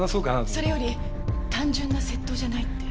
それより単純な窃盗じゃないって？